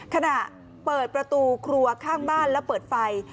ขณะเปิดประตูครัวข้างบ้านแล้วเปิดไฟ